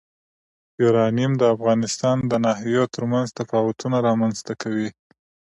یورانیم د افغانستان د ناحیو ترمنځ تفاوتونه رامنځ ته کوي.